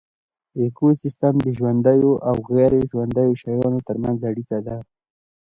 ایکوسیستم د ژوندیو او غیر ژوندیو شیانو ترمنځ اړیکه ده